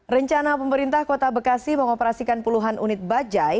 rencana pemerintah kota bekasi mengoperasikan puluhan unit bajai